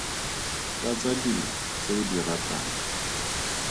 Tlatsa dilo tse o di ratang.